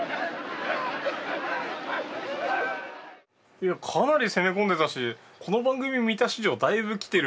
いやかなり攻め込んでたしこの番組見た史上だいぶ来てる。